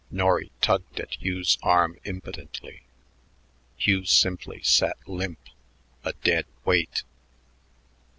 Norry tugged at Hugh's arm impotently; Hugh simply sat limp, a dead weight.